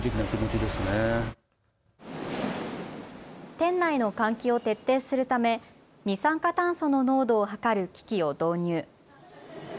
店内の換気を徹底するため二酸化炭素の濃度を測る機器を導入。